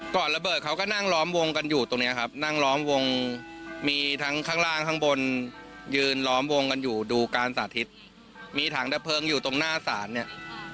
ระเบิดเขาก็นั่งล้อมวงกันอยู่ตรงนี้ครับนั่งล้อมวงมีทั้งข้างล่างข้างบนยืนล้อมวงกันอยู่ดูการสาธิตมีถังดับเพลิงอยู่ตรงหน้าศาลเนี่ย